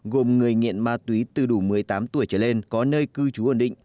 gồm người nghiện ma túy từ đủ một mươi tám tuổi trở lên có nơi cư trú ổn định